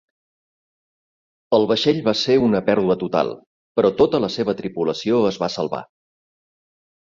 El vaixell va ser una pèrdua total, però tota la seva tripulació es va salvar.